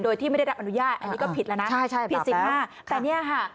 โดยที่ไม่ได้รับอนุญาตอันนี้ก็ผิดแล้วนะผิดจริงมากแต่นี่ฮะ